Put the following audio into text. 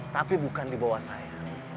tapi bukan di bawah saya